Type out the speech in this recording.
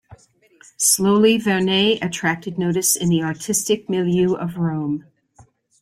Slowly Vernet attracted notice in the artistic milieu of Rome.